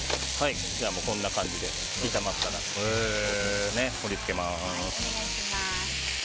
こんな感じで炒まったら盛り付けます。